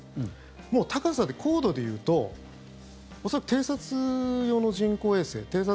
もう高さで、高度で言うと恐らく偵察用の人工衛星偵察